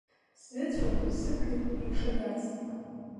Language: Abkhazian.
Сзыцәом, сықәиоуп, имшаӡац.